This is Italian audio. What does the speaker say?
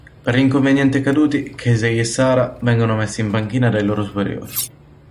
Per gli inconvenienti accaduti Casey e Sarah vengono messi in panchina dai loro superiori.